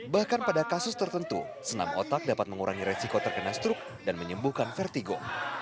bahkan pada kasus tertentu senam otak dapat mengurangi resiko terkena struk dan menyembuhkan vertigo